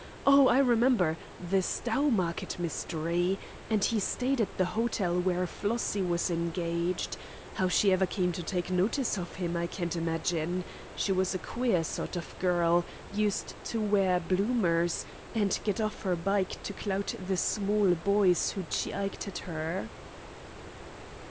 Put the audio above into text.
Oh, I remember the 'Stowmarket Mystery' and he stayed at the hotel where Flossie was engaged. How she ever came to take notice of him, I can't imagine. She was a queer sort of girl used to wear bloomers, and get off her bike to clout the small boys who chi iked at her."